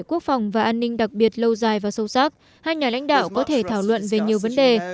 quốc phòng và an ninh đặc biệt lâu dài và sâu sắc hai nhà lãnh đạo có thể thảo luận về nhiều vấn đề